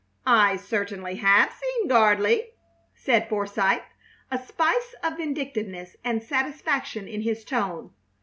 "I certainly have seen Gardley," said Forsythe, a spice of vindictiveness and satisfaction in his tone.